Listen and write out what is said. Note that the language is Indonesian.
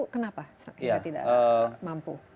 kenapa tidak mampu